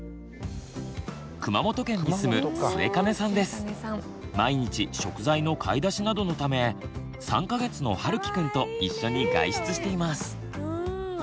最初の質問は毎日食材の買い出しなどのため３か月のはるきくんと一緒に外出しています。